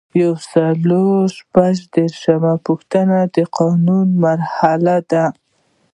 یو سل او شپږ دیرشمه پوښتنه د قانون مرحلې دي.